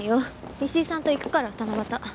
石井さんと行くから七夕。